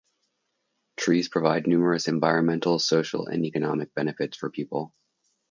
Trees provide numerous environmental, social and economic benefits for people.